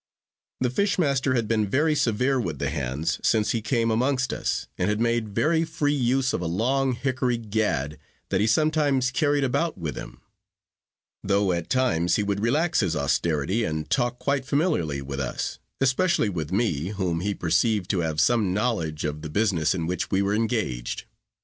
The fish master had been very severe with the hands since he came amongst us, and had made very free use of a long hickory gad that he sometimes carried about with him; though at times he would relax his austerity, and talk quite familiarly with us, especially with me, whom he perceived to have some knowledge of the business in which we were engaged.